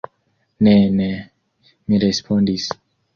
Ne, ne, mi respondis.